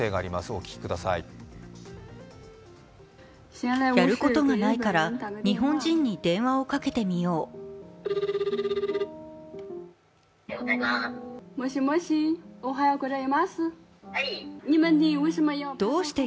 お聞きください。